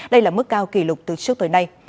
đây là mức cao kỷ lục từ trước tới nay